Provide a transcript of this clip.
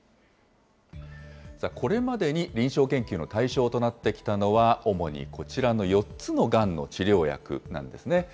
これまでに臨床研究の対象となってきたのは、主にこちらの４つのがんの治療薬なんですね。